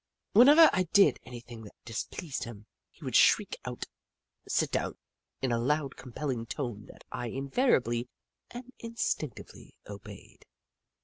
Whenever I did any thing that displeased him, he would shriek out " siTDOWN !" in a loud, compelling tone that I invariably and instinctively obeyed.